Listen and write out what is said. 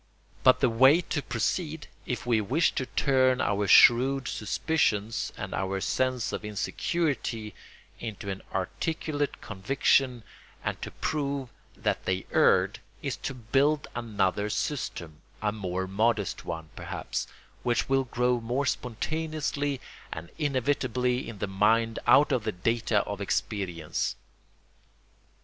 But the way to proceed if we wish to turn our shrewd suspicions and our sense of insecurity into an articulate conviction and to prove that they erred, is to build another system, a more modest one, perhaps, which will grow more spontaneously and inevitably in the mind out of the data of experience.